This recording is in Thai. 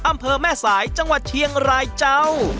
อำเภอแม่สายจังหวัดเชียงรายเจ้า